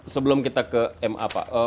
sebelum kita ke mapa